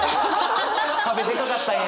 壁でかかったんや！